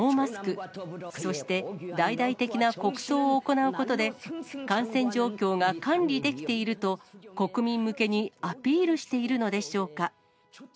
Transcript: キム総書記のノーマスク、そして大々的な国葬を行うことで、感染状況が管理できていると、国民向けにアピールしているのでしょうか。